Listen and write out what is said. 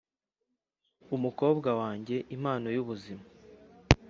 umukobwa wanjye impano y'ubuzima